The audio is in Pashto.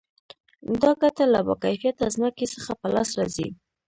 دا ګټه له با کیفیته ځمکې څخه په لاس راځي